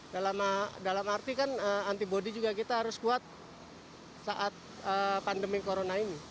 dalam arti kan antibody juga kita harus kuat saat pandemi corona ini